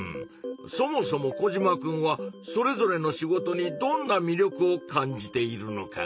そもそもコジマくんはそれぞれの仕事にどんなみりょくを感じているのかな？